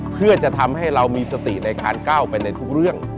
เพื่อจะทำให้เรามีสติในการก้าวไปในทุกเรื่อง